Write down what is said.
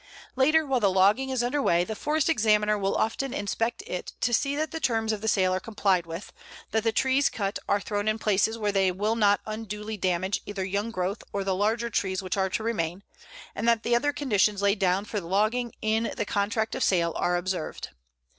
Later, while the logging is under way, the Forest Examiner will often inspect it to see that the terms of the sale are complied with, that the trees cut are thrown in places where they will not unduly damage either young growth or the larger trees which are to remain, and that the other conditions laid down for the logging in the contract of sale are observed.